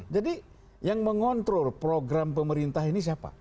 jadi yang mengontrol program pemerintah ini siapa